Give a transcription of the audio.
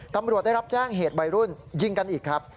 ตำรวจได้รับแจ้งเหตุวัยรุ่นยิงกันอีกครับ